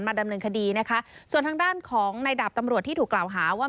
ดำเนินคดีนะคะส่วนทางด้านของในดาบตำรวจที่ถูกกล่าวหาว่า